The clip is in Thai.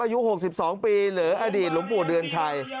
อายุ๖๒ปีหรืออดีตหลวงปู่เดือนชัย